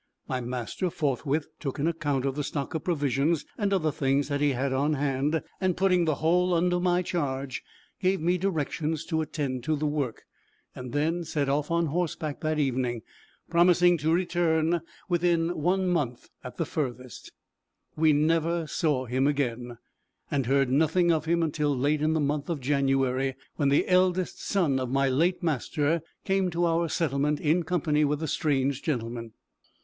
My master forthwith took an account of the stock of provisions and other things that he had on hand, and putting the whole under my charge, gave me directions to attend to the work, and set off on horseback that evening; promising to return within one month at furthest. We never saw him again, and heard nothing of him until late in the month of January, when the eldest son of my late master came to our settlement in company with a strange gentleman.